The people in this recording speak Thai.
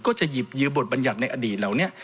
ก็จะหยิบยืมบทบัญญัติในอดีตเหล่านี้